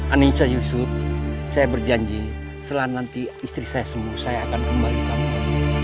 anissa yusuf saya berjanji selananti istri saya semua saya akan kembali kamu